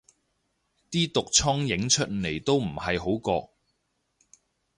啲毒瘡影出嚟都唔係好覺